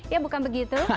ya bukan begitu